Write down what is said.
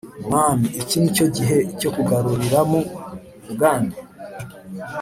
Mwami iki ni cyo gihe cyo kugaruriramo ubwami